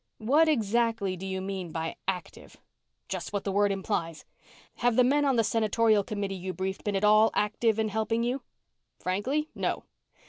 "What exactly do you mean by active?" "Just what the word implies. Have the men on the senatorial committee you briefed been at all active in helping you?" "Frankly, no."